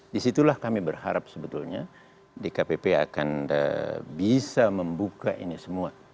disitulah kami berharap sebetulnya dkpp akan bisa membuka ini semua